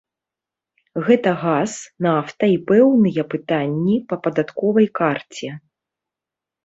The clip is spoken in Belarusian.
Гэта газ, нафта і пэўныя пытанні па падатковай карце.